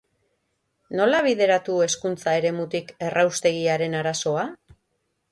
Nola bideratu hezkuntza eremutik erraustegiaren arazoa?